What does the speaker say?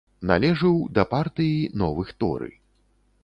Належыў да партыі новых торы.